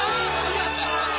やった！